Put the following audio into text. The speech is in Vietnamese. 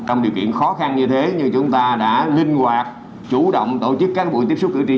trong điều kiện khó khăn như thế nhưng chúng ta đã linh hoạt chủ động tổ chức cán bộ tiếp xúc cử tri